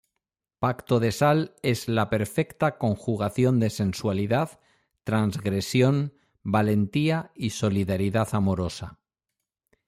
Pacto de sal es la perfecta conjugación de sensualidad, transgresión, valentía y solidaridad amorosa.